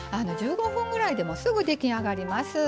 １５分ぐらいでもうすぐ出来上がります。